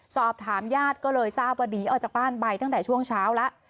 สอบถามญาติก็เลยทราบว่าหนีออกจากบ้านไปตั้งแต่ช่วงเช้าแล้ว